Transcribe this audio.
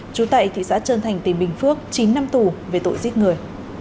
chú tại thị xã trân thành tỉnh bình phước chín năm tù về tội giết người